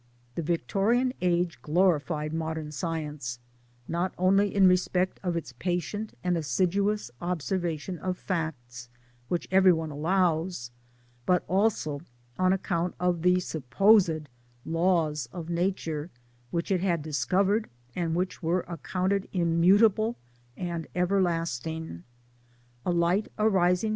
The Victorian age glorified modern Science not only in respect of its patient and assiduous observation of facts, which every one allows, but also on account of the supposed Laws of Nature which it had discovered, and which were accounted immutable and everlasting. A light arising!